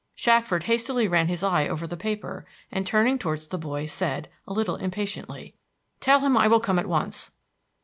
Shackford hastily ran his eye over the paper, and turning towards the boy said, a little impatiently: "Tell him I will come at once."